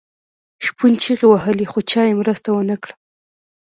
شپون چیغې وهلې خو چا یې مرسته ونه کړه.